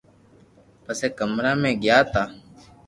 پسي ڪمرا مي گيا تا